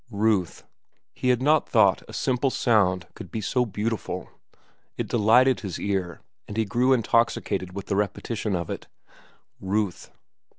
"Ruth." He had not thought a simple sound could be so beautiful. It delighted his ear, and he grew intoxicated with the repetition of it. "Ruth."